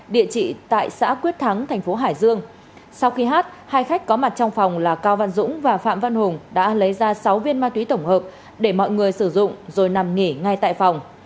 địa chỉ tại xã quyết thắng thành phố hải dương sau khi hát hai khách có mặt trong phòng là cao văn dũng và phạm văn hùng đã lấy ra sáu viên ma túy tổng hợp để mọi người sử dụng rồi nằm nghỉ ngay tại phòng